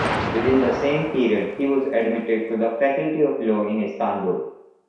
Within the same period, he was admitted to the faculty of law in Istanbul.